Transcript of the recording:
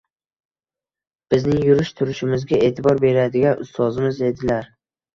Bizning yurish-turishimizga e’tibor beradigan ustozimiz edilar.